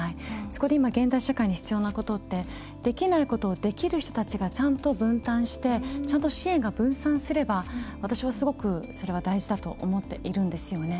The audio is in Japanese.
そこで今現代社会に必要なことってできないことをできる人たちがちゃんと分担してちゃんと支援が分散すれば私はすごく、それは大事だと思っているんですよね。